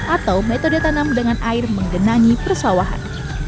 atau metode tanam dengan air menggenangi persawahan